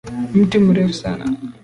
Mti mrefu sana